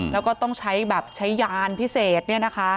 แล้วก็ต้องใช้แบบใช้ยานพิเศษเนี่ยนะคะ